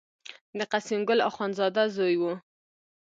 د قسیم ګل اخوندزاده زوی و.